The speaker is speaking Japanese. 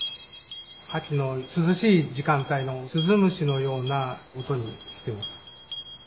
秋の涼しい時間帯の鈴虫のような音にしてます